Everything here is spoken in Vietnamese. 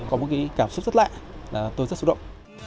có một cái cảm xúc rất lạ tôi rất xúc động